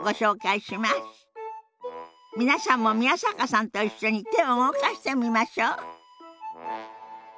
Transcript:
皆さんも宮坂さんと一緒に手を動かしてみましょう。